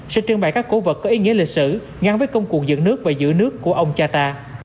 sẽ trưng bày các cổ vật có ý nghĩa lịch sử gắn với công cuộc dựng nước và giữ nước của ông cha ta